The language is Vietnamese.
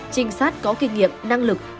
trinh sát có kinh nghiệm năng lực